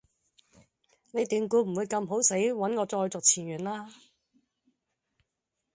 你斷估唔會咁好死搵我再續前緣架喇?